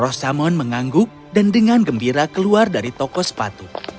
rosamon mengangguk dan dengan gembira keluar dari toko sepatu